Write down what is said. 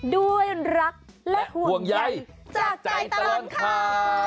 ด้วยรักและห่วงใหญ่จากใจตรงเขา